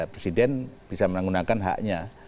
presiden bisa menggunakan haknya